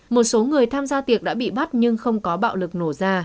một số người tham gia tiệc đã bị bắt nhưng không có bạo lực nổ ra